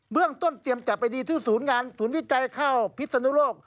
เบื้องต้นเตรียมจัดไปดีที่สูญงานสูญวิจัยข้าวพิษฎุโลก